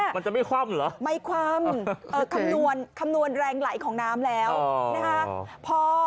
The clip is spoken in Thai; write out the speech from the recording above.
มันจะไม่คว่ำเหรอไม่คว่ำคำนวณแรงไหลของน้ำแล้วนะคะ